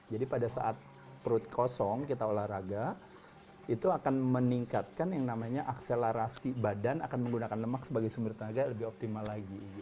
jadi pada saat perut kosong kita olahraga itu akan meningkatkan yang namanya akselerasi badan akan menggunakan lemak sebagai sumber tenaga lebih optimal lagi